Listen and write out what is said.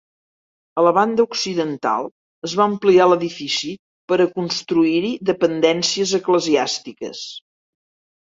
A la banda occidental es va ampliar l'edifici per a construir-hi dependències eclesiàstiques.